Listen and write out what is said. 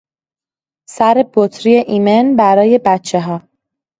سر بطری ایمن برای بچهها